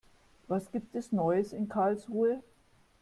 Was gibt es Neues in Karlsruhe?